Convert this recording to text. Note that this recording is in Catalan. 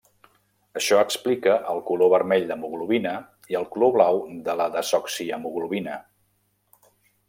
Això explica el color vermell d'hemoglobina i el color blau de la desoxihemoglobina.